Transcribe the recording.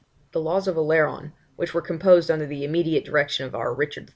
The laws of Oleron, which were composed under the immediate direction of our Richard I.